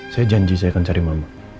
saya janji saya akan cari mama